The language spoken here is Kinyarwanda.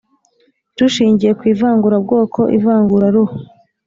rushingiye ku ivangurabwoko ivanguraruhu